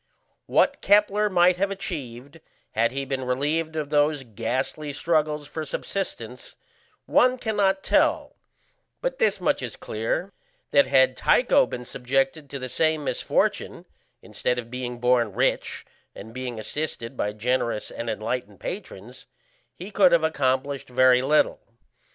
What Kepler might have achieved had he been relieved of those ghastly struggles for subsistence one cannot tell, but this much is clear, that had Tycho been subjected to the same misfortune, instead of being born rich and being assisted by generous and enlightened patrons, he could have accomplished very little.